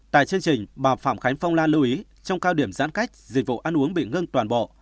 tại chương trình bà phạm khánh phong lan lưu ý trong cao điểm giãn cách dịch vụ ăn uống bị ngưng toàn bộ